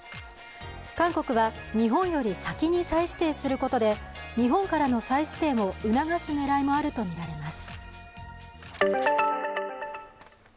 韓国は日本より先に再指定することで日本からの再指定も促す狙いもあるとみられます。